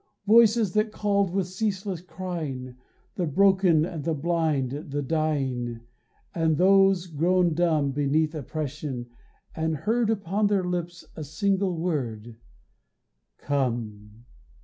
Voices that called with ceaseless crying, The broken and the blind, the dying, And those grown dumb Beneath oppression, and he heard Upon their lips a single word, "Come!"